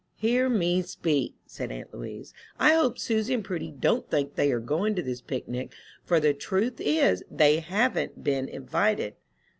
"Hear me speak," said aunt Louise. "I hope Susy and Prudy don't think they are going to this picnic, for the truth is, they haven't been invited."